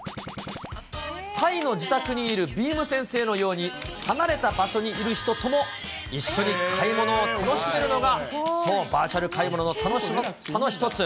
タイの自宅にいるびーむ先生のように、離れた場所にいる人とも一緒に買い物を楽しめるのが、そう、バーチャル買い物の楽しみの一つ。